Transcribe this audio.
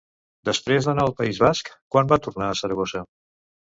Després d'anar al País Basc, quan va tornar a Saragossa?